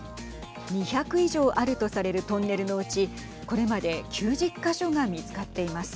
２００以上あるとされるトンネルのうちこれまで９０か所が見つかっています。